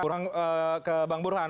saya akan ke bang burhan